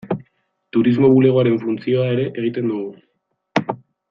Turismo bulegoaren funtzioa ere egiten dugu.